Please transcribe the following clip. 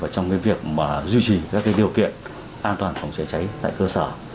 trong việc duy trì các điều kiện an toàn phòng cháy cháy tại cơ sở